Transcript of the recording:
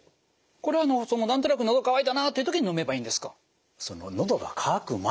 これは何となくのど渇いたなっていう時に飲めばいいんですか？